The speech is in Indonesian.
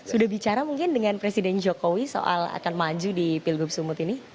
sudah bicara mungkin dengan presiden jokowi soal akan maju di pilgub sumut ini